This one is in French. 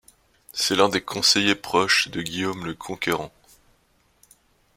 C’est l’un des conseillers proches de Guillaume le Conquérant.